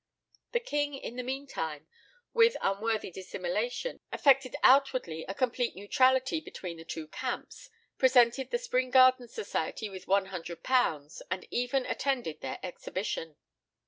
The king, in the meantime, with unworthy dissimulation, affected outwardly a complete neutrality between the two camps, presented the Spring Gardens Society with £100, and even attended their exhibition.